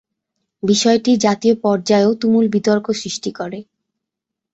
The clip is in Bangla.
বিষয়টি জাতীয় পর্যায়েও তুমুল বিতর্ক সৃষ্টি করে।